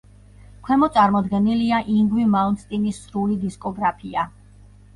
ქვემოთ წარმოდგენილია ინგვი მალმსტინის სრული დისკოგრაფია.